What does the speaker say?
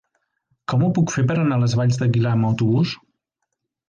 Com ho puc fer per anar a les Valls d'Aguilar amb autobús?